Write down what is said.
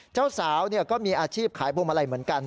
เจ้าสาวก็มีอาชีพขายพวงมาลัยเหมือนกัน